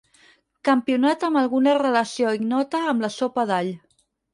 Campionat amb alguna relació ignota amb la sopa d'all.